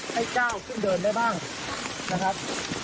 ให้ก้าวขึ้นเดินได้บ้างนะครับ